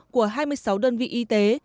của hai mươi sáu đơn vị y tế